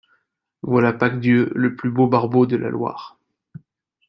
Voilà, Pasques Dieu! le plus beau barbeau de la Loire !